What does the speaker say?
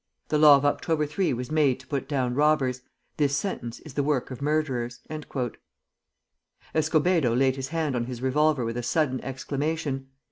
"The law of October 3 was made to put down robbers: this sentence is the work of murderers." Escobedo laid his hand on his revolver with a sudden exclamation.